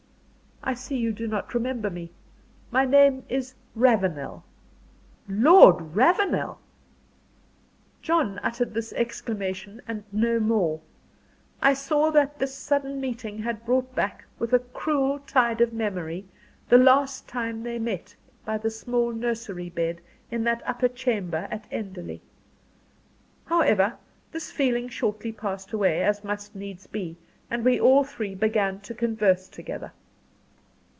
"I see you do not remember me. My name is Ravenel." "Lord Ravenel!" John uttered this exclamation and no more. I saw that this sudden meeting had brought back, with a cruel tide of memory, the last time they met by the small nursery bed, in that upper chamber at Enderley. However, this feeling shortly passed away, as must needs be; and we all three began to converse together.